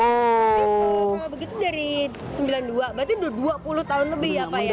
kalau begitu dari seribu sembilan ratus sembilan puluh dua berarti sudah dua puluh tahun lebih ya pak ya